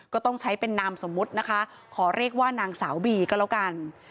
ก็ต้องใช้เป็นนามสมมุตินะคะขอเรียกว่านางสาวบีก็แล้วกัน